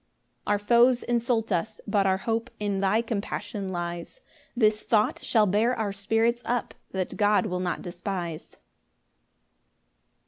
5 Our foes insult us, but our hope In thy compassion lies; This thought shall bear our spirits up, That God will not despise.